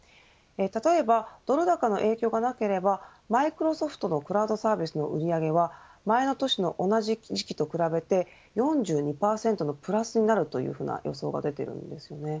例えば、ドル高の影響がなければマイクロソフトのクラウドサービスの売り上げは前の年の同じ時期と比べて４２％のプラスになるというふうな予想が出ているんですよね。